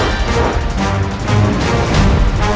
aku akan menangkapmu